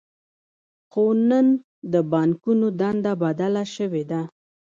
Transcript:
خو نن د بانکونو دنده بدله شوې ده